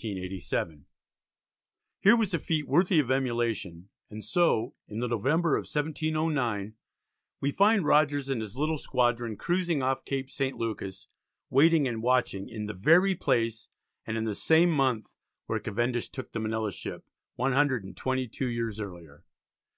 Here was a feat worthy of emulation, and so, in the November of 1709, we find Rogers and his little squadron cruising off Cape St. Lucas waiting and watching in the "very place" and in the same month where Cavendish "took the Manila ship" one hundred and twenty two years earlier.